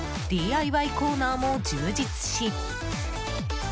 ＤＩＹコーナーも充実し。